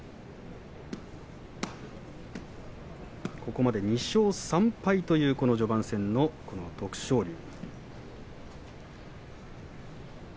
ここまで２勝３敗という徳勝龍。